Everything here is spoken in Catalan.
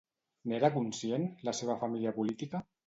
N'era conscient, la seva família política?